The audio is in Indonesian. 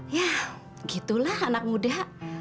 ya gitulah anak muda